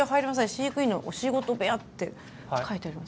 飼育員のお仕事部屋」って書いてあります。